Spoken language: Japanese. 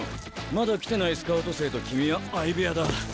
まだ来てないスカウト生と君は相部屋だ。